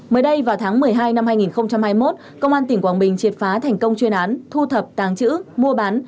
mới đây vào tháng một mươi hai năm hai nghìn hai mươi một công an tỉnh quảng bình triệt phá thành công chuyên án thu thập tàng chữ mua bán